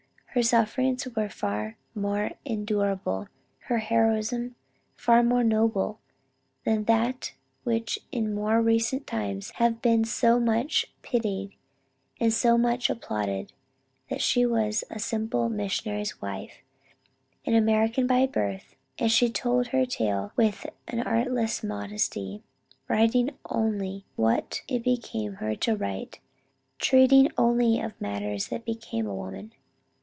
Her sufferings were far more unendurable, her heroism far more noble, than any which in more recent times have been so much pitied and so much applauded; but she was a simple missionary's wife, an American by birth, and she told her tale with an artless modesty writing only what it became her to write, treating only of matters that became a woman.